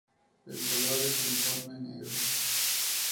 El color es uniforme negro.